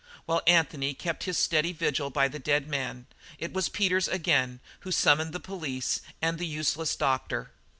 While Anthony kept his steady vigil by the dead man, it was Peters again who summoned the police and the useless doctor.